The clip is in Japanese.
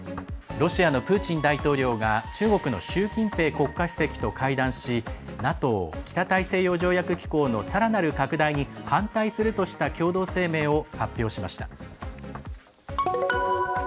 ロシアのプーチン大統領が中国の習近平国家主席と会談しＮＡＴＯ＝北大西洋条約機構のさらなる拡大に反対するとした共同声明を発表しました。